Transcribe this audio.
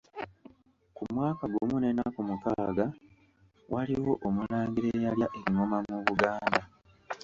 Ku mwaka gumu n’ennaku mukaaga waliwo omulangira eyalya engoma mu Buganda.